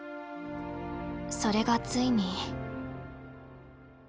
それがついに。